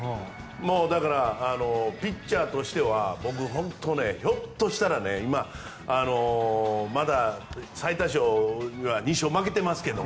だから、ピッチャーとしては僕、本当にひょっとしたら今、まだ最多勝には２勝、負けていますけど。